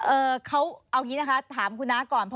เอ่อเขาเอาอย่างนี้นะคะถามคุณน้าก่อน